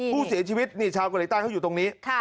ผู้เสียชีวิตนี่ชาวเกาหลีใต้เขาอยู่ตรงนี้